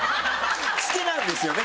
好きなんですよね？